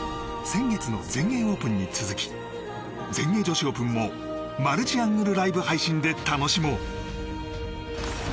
先月の全英オープンに続き全英女子オープンもマルチアングルライブ配信で楽しもう！